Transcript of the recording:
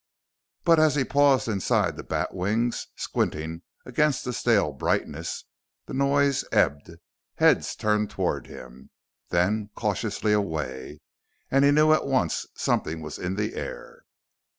But as he paused inside the batwings, squinting against the stale brightness, the noise ebbed. Heads turned toward him, then cautiously away. And he knew at once something was in the air.